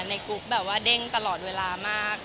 กุ๊กแบบว่าเด้งตลอดเวลามาก